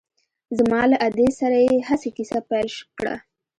زما له ادې سره يې هسې کيسه پيل کړه.